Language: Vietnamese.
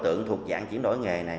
đối tượng thuộc dạng chuyển đổi nghề này